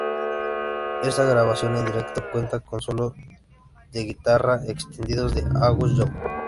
Esta grabación en directo cuenta con solos de guitarra extendidos de Angus Young.